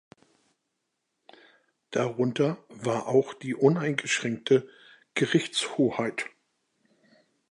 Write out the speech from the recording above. Darunter war auch die uneingeschränkte Gerichtshoheit.